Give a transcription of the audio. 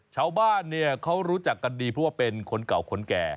ชาวบ้านเนี่ยเขารู้จักกันดีเพราะว่าเป็นคนเก่าคนแก่